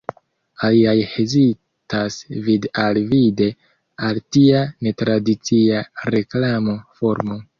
Aliaj hezitas vid-al-vide al tia netradicia reklamo-formo.